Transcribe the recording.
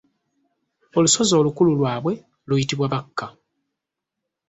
Olusozi olukulu lwabwe luyitibwa Bakka.